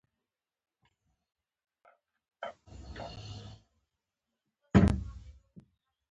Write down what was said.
له خطرونو څخه اندېښمن وو.